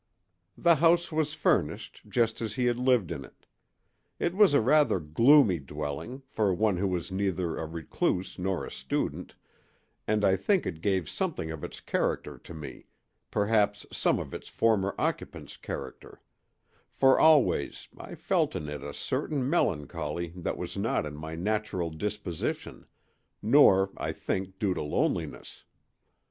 "The house was furnished, just as he had lived in it. It was a rather gloomy dwelling for one who was neither a recluse nor a student, and I think it gave something of its character to me—perhaps some of its former occupant's character; for always I felt in it a certain melancholy that was not in my natural disposition, nor, I think, due to loneliness.